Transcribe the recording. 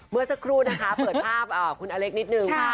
เมื่อสักครู่นะคะเปิดภาพคุณอเล็กนิดนึง